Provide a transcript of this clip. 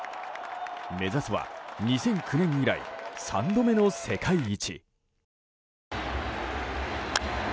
目指すは２００９年以来３度目の世界一。